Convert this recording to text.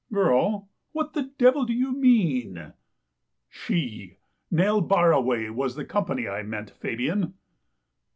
" Girl? What the devil do you mean! "" She, Nell Barraway was the company I meant, Fabian."